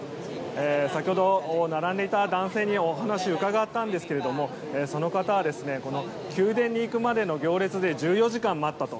先ほど、並んでいた男性にお話を伺ったんですがその方はこの宮殿に行くまでの行列で１４時間待ったと。